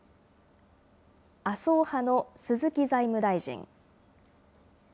麻生派の鈴木財務大臣。